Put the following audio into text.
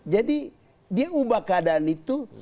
jadi dia ubah keadaan itu